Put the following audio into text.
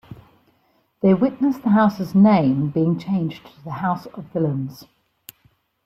They witness the House's name being changed to the House of Villains.